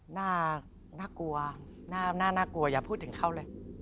น่ากลัวน่ากลัวอย่าพูดถึงเขาเลย